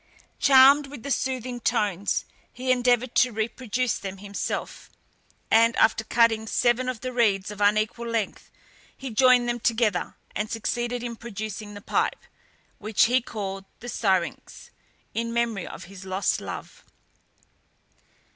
Charmed with the soothing tones, he endeavoured to reproduce them himself, and after cutting seven of the reeds of unequal length, he joined them together, and succeeded in producing the pipe, which he called the syrinx, in memory of his lost love.